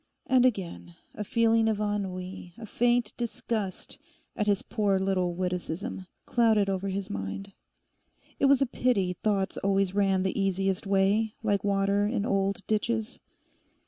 And again, a feeling of ennui, a faint disgust at his poor little witticism, clouded over his mind. It was a pity thoughts always ran the easiest way, like water in old ditches.